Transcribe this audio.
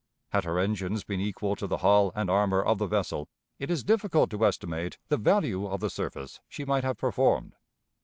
Had her engines been equal to the hull and armor of the vessel, it is difficult to estimate the value of the service she might have performed.